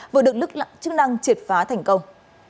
vừa được lực lượng chức năng triệt phá thành công